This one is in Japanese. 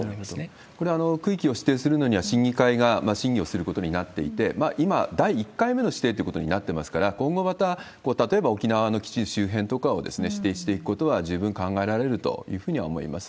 これ、区域を指定するのには、審議会が審議をすることになっていて、今、第１回目の指定ということになってますから、今後また例えば沖縄の基地周辺とかを指定していくことは十分考えられるというふうには思います。